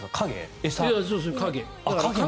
影。